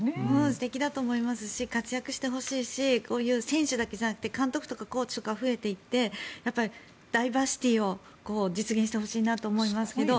素敵だと思うし活躍してほしいし選手だけじゃなくて監督とかコーチが増えていってダイバーシティーを実現してほしいなと思いますけど